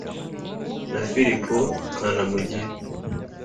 Na Filipo Kanamugire.